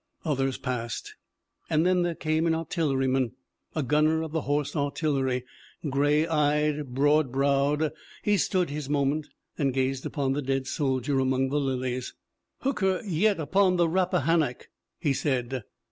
"Others passed, and then there came an artillery man, a gunner of the Horse Artillery. Gray eyed, broad browed, he stood his moment and gazed upon the dead soldier among the lilies. 'Hooker yet upon the Rappahannock,' he said.